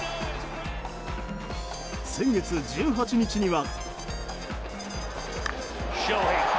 先月１８日には。